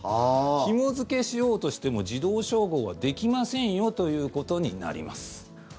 ひも付けしようとしても自動照合はできませんよということになります。